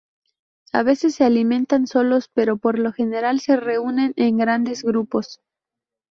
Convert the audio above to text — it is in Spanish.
A veces se alimentan solos, pero por lo general se reúnen en grandes grupos.